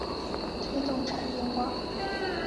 推动产业化